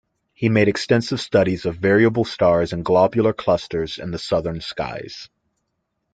He made extensive studies of variable stars in globular clusters in the southern skies.